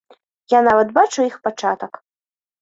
Я нават бачу іх пачатак.